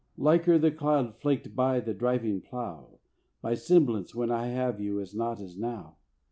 Liker the clod flaked by the driving plough, My semblance when I have you not as now.